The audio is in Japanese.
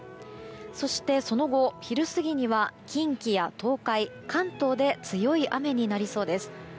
そして、その後昼過ぎには近畿や東海、関東で強い雨になりそうです。